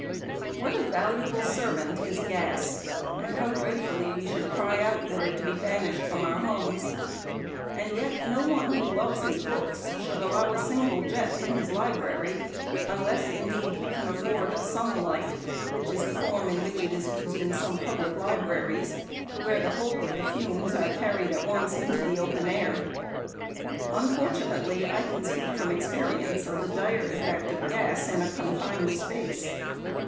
WHAT a valuable servant is Gas, and how dreadfully we should cry out were it to be banished from our homes; and yet no one who loves his books should allow a single jet in his library, unless, indeed he can afford a "sun light," which is the form in which it is used in some public libraries, where the whole of the fumes are carried at once into the open air. Unfortunately, I can speak from experience of the dire effect of gas in a confined space.